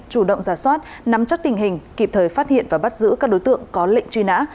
chủ động giả soát nắm chắc tình hình kịp thời phát hiện và bắt giữ các đối tượng có lệnh truy nã